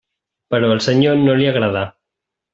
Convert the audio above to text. Però al Senyor no li agradà.